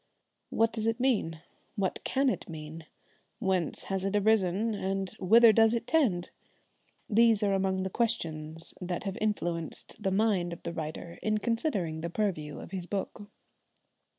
What does it mean? What can it mean? Whence has it arisen, and whither does it tend? These are among the questions that have influenced the mind of the writer in considering the purview of his book.